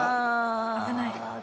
危ない。